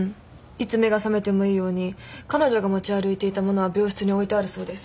いつ目が覚めてもいいように彼女が持ち歩いていた物は病室に置いてあるそうです。